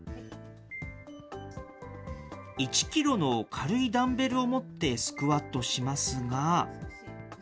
１キロの軽いダンベルを持ってスクワットしますが。